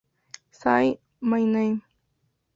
Say my name.